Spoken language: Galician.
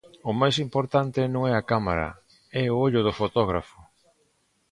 O máis importante non é a cámara, é o ollo do fotógrafo